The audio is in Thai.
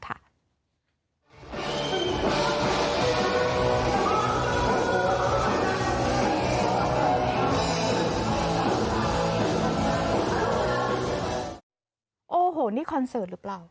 โอ้โหนี่คอนเซิร์ตรึเปล่า